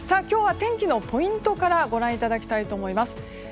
今日は天気のポイントからご覧いただきたいと思います。